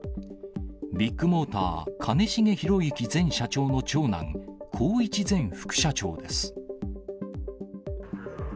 ビッグモーター、兼重宏行前社長の長男、宏一前副社長です。